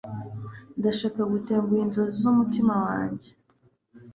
ndashaka gutenguha inzozi z'umutima wanjye